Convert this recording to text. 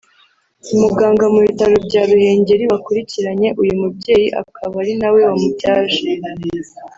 umuganga mu bitaro bya Ruhengeri wakurikiranye uyu mubyeyi akaba ari nawe wamubyaje